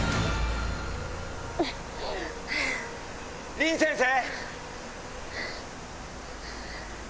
凛先生！